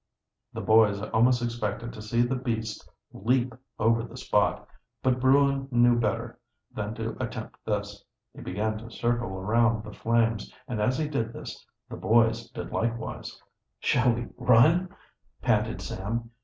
The boys almost expected to see the beast leap over the spot, but bruin knew better than to attempt this. He began to circle around the flames, and as he did this, the boys did likewise. "Shall we run?" panted Sam.